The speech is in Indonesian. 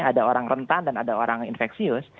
ada orang rentan dan ada orang infeksius